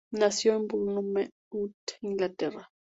Nació en Bournemouth, Inglaterra.